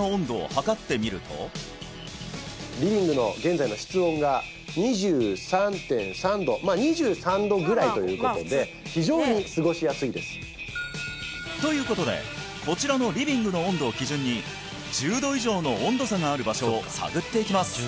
さすがにこの早速２３度ぐらいということで非常に過ごしやすいですということでこちらのリビングの温度を基準に１０度以上の温度差がある場所を探っていきます